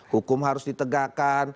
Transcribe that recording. hukum harus ditegakkan